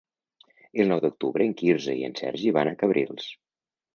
El nou d'octubre en Quirze i en Sergi van a Cabrils.